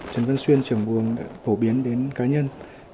trần văn xuyên trưởng buồng đã phổ biến đến cá nhân